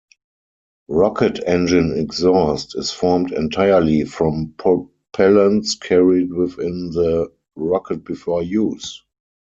Rocket engine exhaust is formed entirely from propellants carried within the rocket before use.